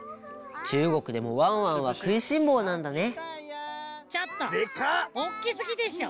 中国でもワンワンはくいしんぼうなんだね。